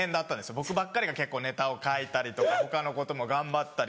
僕ばっかりが結構ネタを書いたりとか他のことも頑張ったり。